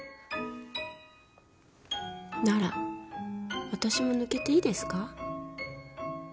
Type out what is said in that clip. ならわたしも抜けていいですか？